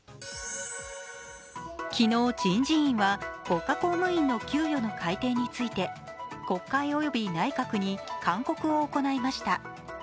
昨日、人事院は国家公務員の給与の改定について国会及び内閣に勧告を行いました。